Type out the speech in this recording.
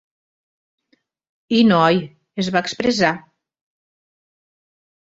I, noi, es va expressar.